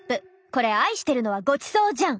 これ愛してるのはごちそうじゃん。